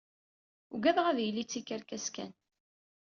Uggadeɣ ad yili d tikerkas kan.